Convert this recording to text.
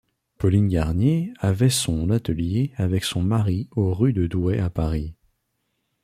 Pauline Garnier avait son atelier avec son mari au rue de Douai à Paris.